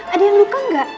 ada yang luka enggak